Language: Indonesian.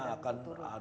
dan nanti kutunya ada